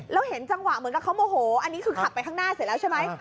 แล้วเห็นจังหวะเหมือนกับเขาโมโหอันนี้คือขับไปข้างหน้าเสร็จแล้วใช่ไหม